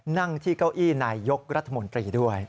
นั่งที่เก้าอี้นายยกรัฐมนตรีด้วย